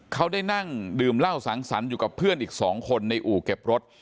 เขาได้นั่งดื่มเหล้าสังสรรค์อยู่กับเพื่อนอีก๒คนในอู่เก็บรถ